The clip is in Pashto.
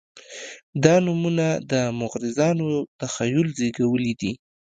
دا نومونه د مغرضانو تخیل زېږولي دي.